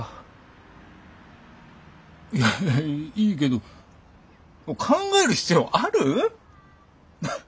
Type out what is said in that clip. いやいいけど考える必要ある？